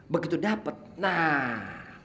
begitu dapet nah